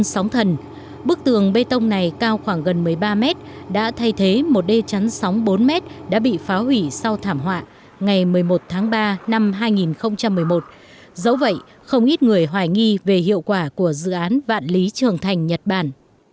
sau thảm họa ngày một mươi một tháng ba năm hai nghìn một mươi một dẫu vậy không ít người hoài nghi về hiệu quả của dự án vạn lý trường thành nhật bản